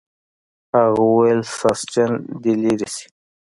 هغه وویل ساسچن دې لرې شي.